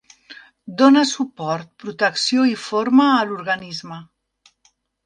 Dóna suport, protecció i forma a l'organisme.